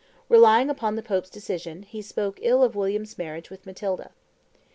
Relying upon the pope's decision, he spoke ill of William's marriage with Matilda.